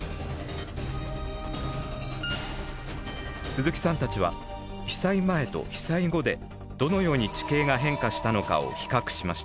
鈴木さんたちは被災前と被災後でどのように地形が変化したのかを比較しました。